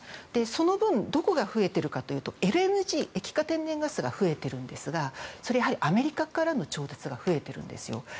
その分どこが増えているかというとＬＮＧ・液化天然ガスが増えてるんですが、やはりアメリカからの調達が増えてるんですよ。